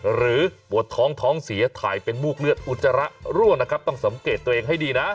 หรือปวดท้องท้องเสียถ่ายเป็นมูกเลือดอุจจาระร่วงนะครับต้องสังเกตตัวเองให้ดีนะ